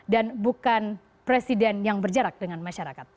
dan bukan presiden yang berjarak dengan masyarakat